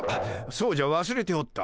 そうじゃわすれておった。